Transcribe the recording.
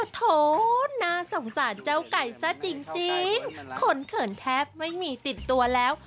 โทนน่าสงสารเจ้าไก่ซะจริงคนเขินแทบไม่มีติดตัวแล้ว